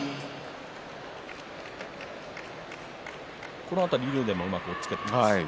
この辺り、竜電もうまく押っつけています。